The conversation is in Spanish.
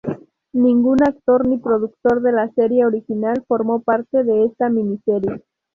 Ningún actor ni productor de la serie original formó parte de esta "mini serie".